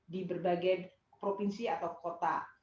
di berbagai provinsi atau kota